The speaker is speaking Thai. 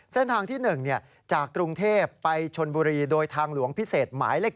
เส้นทางที่๑จากกรุงเทพไปชนบุรีโดยทางหลวงพิเศษหมายเลข๑